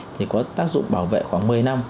thì có tác dụng bảo vệ khoảng một mươi năm